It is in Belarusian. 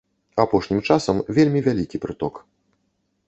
Апошнім часам вельмі вялікі прыток.